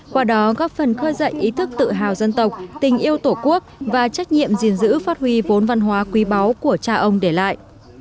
qua đó góp phần khơi dậy ý thức tự hào dân tộc tình yêu tổ quốc và trách nhiệm gìn giữ phát huy vốn văn hóa quý báu của cha ông để lại